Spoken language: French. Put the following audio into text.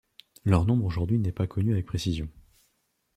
Leur nombre aujourd'hui n'est pas connu avec précision.